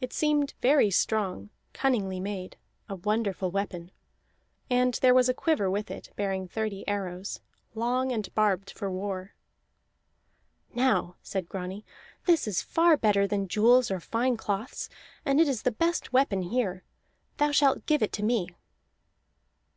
It seemed very strong, cunningly made: a wonderful weapon. And there was a quiver with it, bearing thirty arrows, long and barbed for war. "Now," said Grani, "this is far better than jewels or fine cloths, and it is the best weapon here. Thou shalt give it to me."